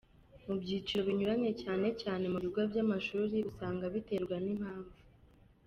mu byiciro binyuranye cyane cyane mu bigo byamashuri, usanga biterwa nimpamvu.